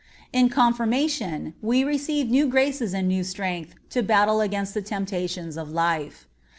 (41) In Confirmation we receive new graces and new strength to battle against the temptations of life.